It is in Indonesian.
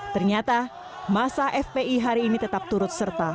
ternyata masa fpi hari ini tetap turut serta